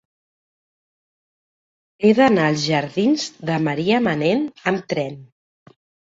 He d'anar als jardins de Marià Manent amb tren.